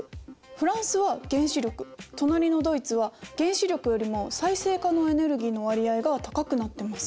フランスは原子力隣のドイツは原子力よりも再生可能エネルギーの割合が高くなってます。